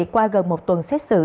qua gần một tuần xét xử